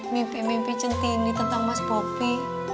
mimpi mimpi centini tentang mas popi